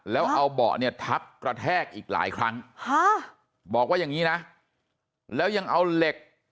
แล้วเอาเบาะเนี่ยทับกระแทกอีกหลายครั้งบอกว่าอย่างนี้นะแล้วยังเอาเหล็ก